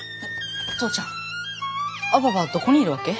父ちゃんアババはどこにいるわけ？